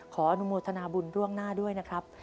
ขออนุโมทนาบุญล่วงหน้าด้วยนะครับ